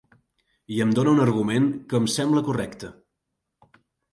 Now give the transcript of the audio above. I em dóna un argument que em sembla correcte.